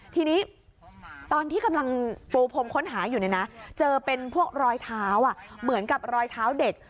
ทีนี้ตอนที่กำลังปูพรมค้นหาอยู่เนี่ยนะเจอเป็นพวกรอยเท้าเหมือนกับรอยเท้าเด็ก